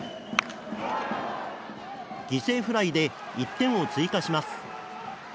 犠牲フライで１点を追加します。